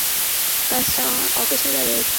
কাজটা অপেশাদারের মতো হলো!